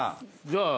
じゃあ。